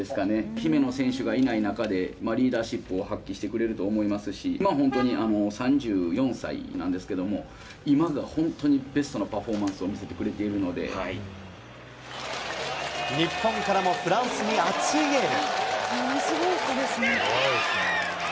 姫野選手がいない中で、リーダーシップを発揮してくれると思いますし、まあ、本当に３４歳なんですけども、今が本当にベストのパフォーマンスを見せてくれている日本からもフランスに熱いエール。